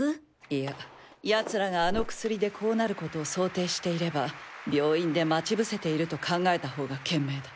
いや奴らがあの薬でこうなる事を想定していれば病院で待ち伏せていると考えた方が賢明だ。